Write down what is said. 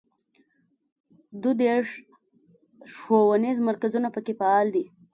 دوه دیرش ښوونیز مرکزونه په کې فعال دي.